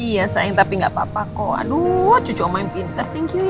iya sayang tapi gak apa apa ko aduh cucu om main pinter thank you ya